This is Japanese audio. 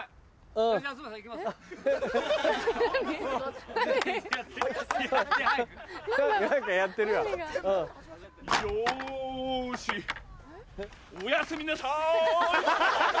おやすみなさい！